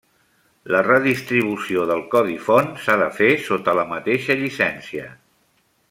La redistribució del codi font s'ha de fer sota la mateixa llicència.